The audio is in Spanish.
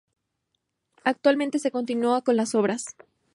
Actualmente se continúa con las obras.